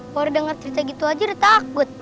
baru denger cerita gitu aja udah takut